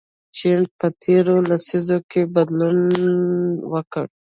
چین په تیرو لسیزو کې ډېر بدلون وکړ.